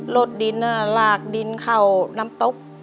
รถดินลากดินเข้าน้ำตก